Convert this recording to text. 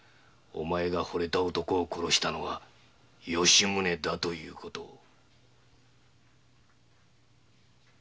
お前の惚れた男を殺したのは吉宗だということを。